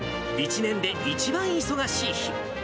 一年で一番忙しい日。